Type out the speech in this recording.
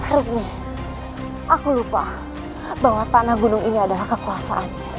aku lupa bahwa tanah gunung ini adalah kekuasaan